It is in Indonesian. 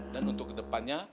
dan untuk kedepannya